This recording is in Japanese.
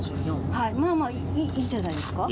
まあまあいいじゃないですか。